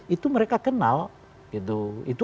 itu mereka kenal gitu